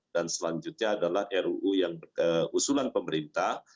dan selanjutnya adalah ruu yang usulan pemerintah